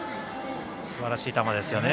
すばらしい球ですよね。